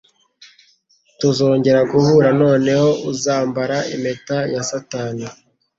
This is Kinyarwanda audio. Tuzongera guhura. Noneho uzambara impeta ya satani ...